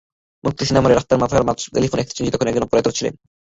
মুক্তি সিনেমা হলের রাস্তার মাথার টেলিফোন এক্সচেঞ্জটিতে তখনো একজন অপারেটর ছিলেন।